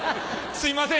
すいません